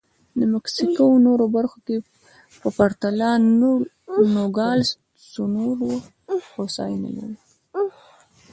د مکسیکو نورو برخو په پرتله نوګالس سونورا هوساینه لري.